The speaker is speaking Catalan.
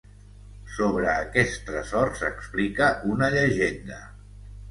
Sobre aquest tresor s'explica una llegenda.